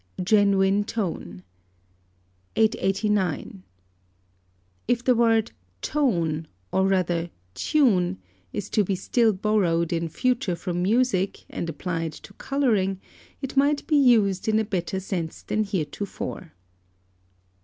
GENUINE TONE. 889. If the word tone, or rather tune, is to be still borrowed in future from music, and applied to colouring, it might be used in a better sense than heretofore.